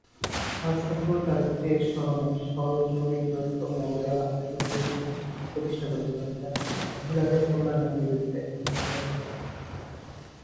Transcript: তাঁর শ্বশুর তাঁর স্ত্রীর স্মরণে সরোজ নলিনী দত্ত মেমোরিয়াল অ্যাসোসিয়েশন প্রতিষ্ঠা করেছিলেন, যা মহিলাদের কল্যাণে নিবেদিত একটি মহিলা সংস্থা।